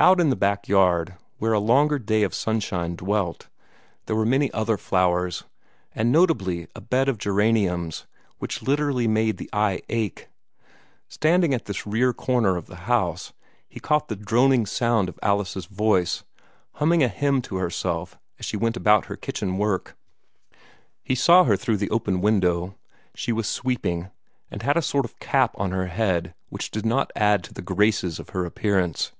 Out in the back yard, where a longer day of sunshine dwelt, there were many other flowers, and notably a bed of geraniums which literally made the eye ache. Standing at this rear corner of the house, he caught the droning sound of Alice's voice, humming a hymn to herself as she went about her kitchen work. He saw her through the open window. She was sweeping, and had a sort of cap on her head which did not add to the graces of her appearance.